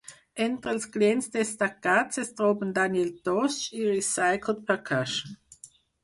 Entre els clients destacats es troben Daniel Tosh i Recycled Percussion.